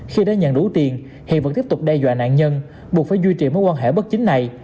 khi đã nhận đủ tiền hiền vẫn tiếp tục đe dọa nạn nhân buộc phải duy trì mối quan hệ bất chính này